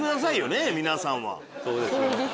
そうですよ。